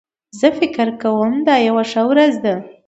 زه فکر کوم چې دا یو ښه ورځ ده